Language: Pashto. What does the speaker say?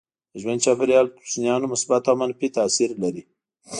د ژوند چاپيریال پر کوچنیانو مثبت او منفي تاثير لري.